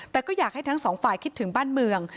แต่ก็อยากให้ทั้งสองฝ่ายคิดถึงบ้านเมือง